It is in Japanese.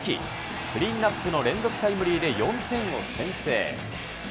クリーンアップの連続タイムリーで４点を先制。